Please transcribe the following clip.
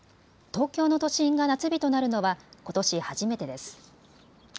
東京の都心が夏日となるのはことし初めてです。